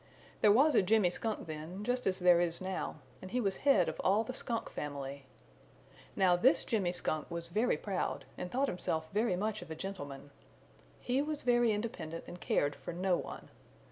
There was a Jimmy Skunk then, just as there is now, and he was head of all the Skunk family. Now this Jimmy Skunk was very proud and thought himself very much of a gentleman. He was very independent and cared for no one.